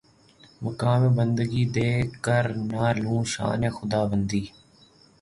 مقام بندگی دے کر نہ لوں شان خداوندی